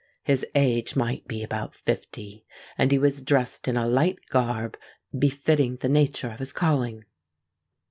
His age might be about fifty; and he was dressed in a light garb befitting the nature of his calling.